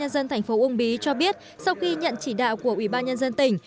dân tp ung bí cho biết sau khi nhận chỉ đạo của ủy ban nhân dân tỉnh